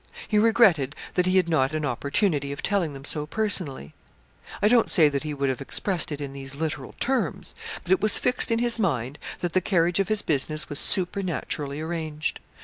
He regretted that he had not an opportunity of telling them so personally. I don't say that he would have expressed it in these literal terms; but it was fixed in his mind that the carriage of his business was supernaturally arranged.